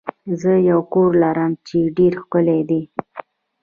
زه یو کور لرم چې ډیر ښکلی دی.